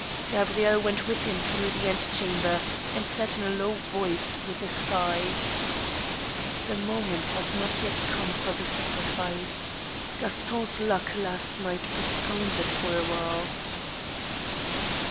Gabrielle went with him through the antechamber, and said in a low voice, with a sigh :" The moment has not yet come for the sacrifice. Gaston's luck last night postpones it for a while."